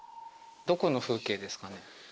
どこの風景ですかね？